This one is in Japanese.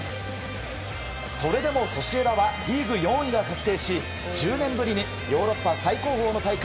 それでもソシエダはリーグ４位が確定し１０年ぶりにヨーロッパ最高峰の戦い